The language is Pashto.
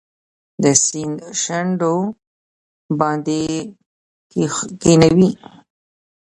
د سیند شونډو باندې کښېښوي